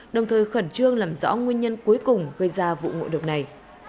đồng thời khẩn trương làm rõ nguyên nhân cuối cùng gây ra vụ ngộ độc này